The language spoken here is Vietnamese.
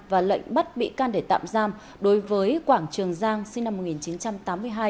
và lệnh bắt bị can để tạm giam đối với quảng trường giang sinh năm một nghìn chín trăm tám mươi hai